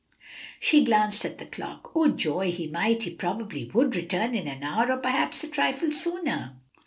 She glanced at the clock. Oh joy! he might, he probably would, return in an hour or perhaps a trifle sooner.